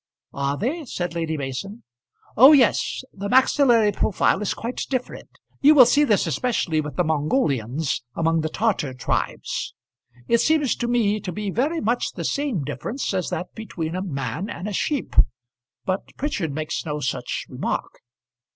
"Are they?" said Lady Mason. "Oh yes; the maxillary profile is quite different. You will see this especially with the Mongolians, among the Tartar tribes. It seems to me to be very much the same difference as that between a man and a sheep, but Prichard makes no such remark.